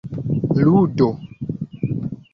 ludo